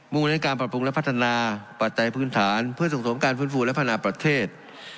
่งในการปรับปรุงและพัฒนาปัจจัยพื้นฐานเพื่อส่งเสริมการฟื้นฟูและพัฒนาประเทศ